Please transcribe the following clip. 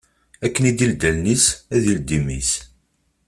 Akken d-ileddi allen-is, ad yeldi imi-s